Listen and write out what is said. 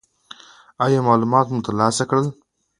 ایا معلومات مو ترلاسه کړل؟